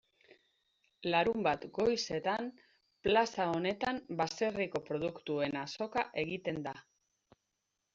Larunbat goizetan plaza honetan baserriko produktuen azoka egiten da.